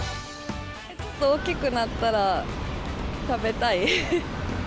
ちょっと大きくなったら食べたい。